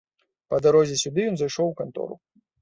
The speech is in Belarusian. Па дарозе сюды ён зайшоў у кантору.